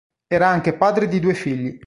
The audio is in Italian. Era anche padre di due figli.